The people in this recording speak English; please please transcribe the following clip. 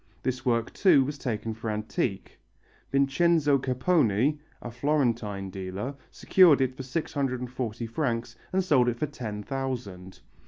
This work, too, was taken for antique. Vincenzo Capponi, a Florentine dealer, secured it for 640 francs and sold it for ten thousand.